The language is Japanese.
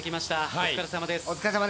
お疲れさまです。